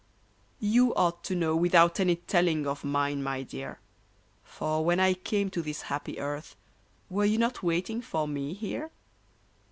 You ought to know Without any telling of mine, my dear ! For when I came to this happy earth Were you not waiting for me here